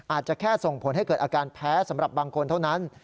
อาจจะแค่ส่งผลให้เกิดอาการแพ้สำหรับบางคนเท่านั้น